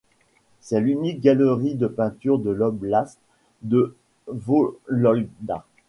C'est l'unique galerie de peinture de l'oblast de Vologda.